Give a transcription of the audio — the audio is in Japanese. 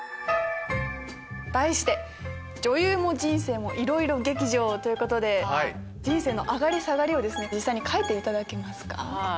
題して「女優も人生もいろいろ劇場」ということで人生の上がり下がりを実際に書いていただけますか。